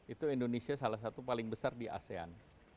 itu indonesia salah satu paling besar di asean